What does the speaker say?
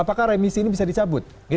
apakah remisi ini bisa dicabut